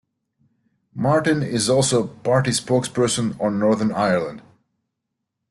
Martin is also party spokesperson on Northern Ireland.